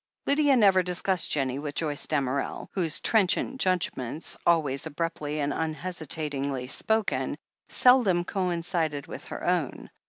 Lydia never discussed Jennie with Joyce Damerel, whose trenchant judgments, always abruptly and im hesitatingly spoken, seldom coincided with her own.